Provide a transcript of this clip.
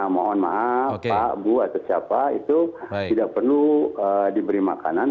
mohon maaf pak bu atau siapa itu tidak perlu diberi makanan